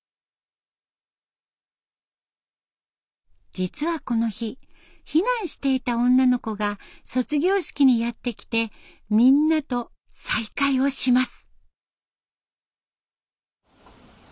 実はこの日避難していた女の子が卒業式にやって来てみんなと再会をします。